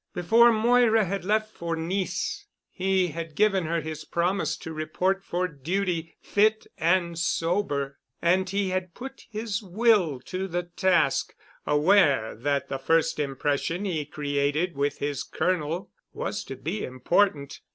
Before Moira had left for Nice, he had given her his promise to report for duty fit and sober, and he had put his will to the task, aware that the first impression he created with his Colonel was to be important.